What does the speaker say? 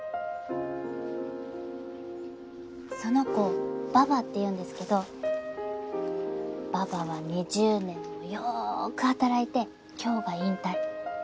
その子ババっていうんですけどババは２０年もよく働いて今日が引退。